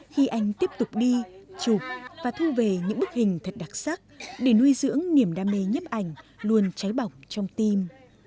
khi anh tiếp tục đi chụp và thu về những bức hình thật đặc sắc để nuôi dưỡng niềm đam mê nhấp ảnh luôn cháy bỏng trong tim